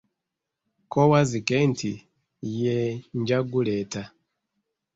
Ko Wazzike nti, yee nja guleeta.